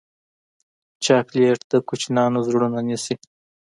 چاکلېټ د کوچنیانو زړونه نیسي.